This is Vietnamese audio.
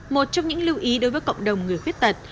một trong những lưu ý đối với cộng đồng người khuyết tật